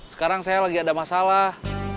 sekarang saya lagi ada masalah